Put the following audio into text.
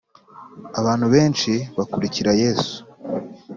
abantu benshi bakurikira Yesu